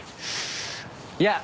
いや。